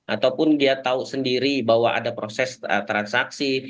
ataupun dia tahu sendiri bahwa ada proses transaksi